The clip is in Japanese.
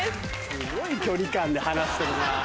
すごい距離感で話してるな。